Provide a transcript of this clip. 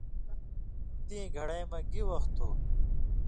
تِئیں گھڑَئی مہ گی وَخ تُھو؟